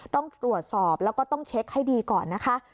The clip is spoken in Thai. ต้องตรวจสอบแล้วก็ต้องเช็คให้ดีก่อนนะคะ